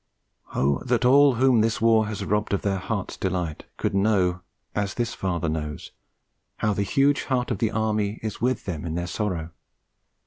O that all whom this war has robbed of their hearts' delight could know, as this father knows, how the huge heart of the Army is with them in their sorrow!